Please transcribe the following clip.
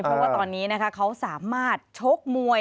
เพราะว่าตอนนี้นะคะเขาสามารถชกมวย